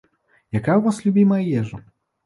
Якая ў вас любімая ежа?